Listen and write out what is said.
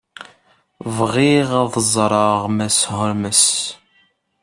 Bɣiɣ ad ẓreɣ Mass Holmes.